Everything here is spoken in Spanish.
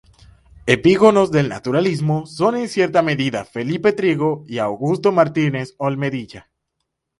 Epígonos del naturalismo son en cierta medida Felipe Trigo y Augusto Martínez Olmedilla.